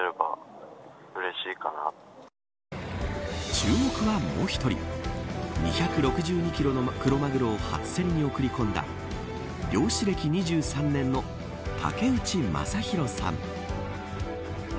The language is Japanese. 注目はもう一人２６２キロのクロマグロを初競りに送り込んだ漁師歴２３年の竹内正弘さん。